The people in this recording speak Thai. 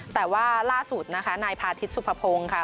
แต่ว่าล่าสุดนะคะนายพาทิศสุภพงศ์ค่ะ